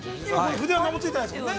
◆筆には何もついてないんですもんね。